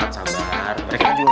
jangan lupa ustadz